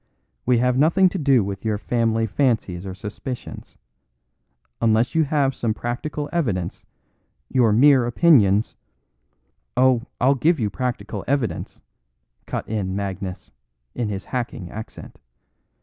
"We have nothing to do with your family fancies or suspicions. Unless you have some practical evidence, your mere opinions " "Oh! I'll give you practical evidence," cut in Magnus, in his hacking accent.